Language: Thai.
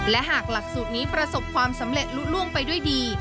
และหากหลักสูตรนี้ประสบความสำเร็จลุ้งไปด้วยดี